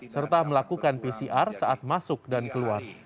serta melakukan pcr saat masuk dan keluar